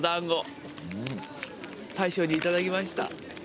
大将に頂きました。